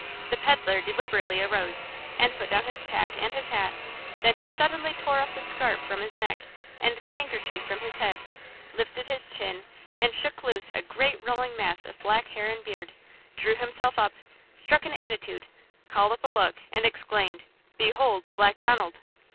The peddler deliberately arose and put down his pack and his hat; then he suddenly tore off the scarf from his neck and the handkerchief from his head, lifted his chin and shook loose a great rolling mass of black hair and beard, drew himself up, struck an attitude, called up a look, and exclaimed: "Behold Black Donald!"